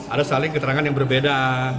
ada saling keterangan yang berbeda